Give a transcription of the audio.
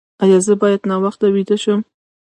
ایا زه باید ناوخته ویده شم؟